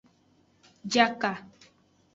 Jaka.